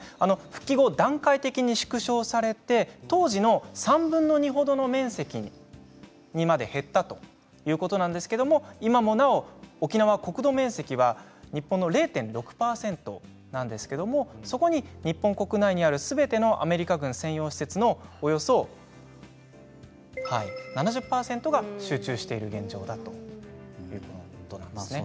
復帰後、段階的に縮小されて当時の３分の２ほどの面積まで減ったということなんですけれど今もなお沖縄国土面積は日本の０．６％なんですけれどもそこで日本国内にあるすべてのアメリカ軍専用施設のおよそ７０％が集中している現状だということなんですね。